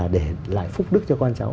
để lại phúc đức cho con cháu